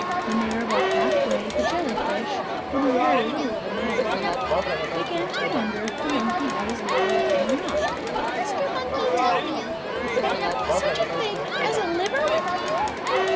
When they were about halfway, the jellyfish, who knew very little of anatomy, began to wonder if the monkey had his liver with him or not! "Mr. Monkey, tell me, have you such a thing as a liver with you?"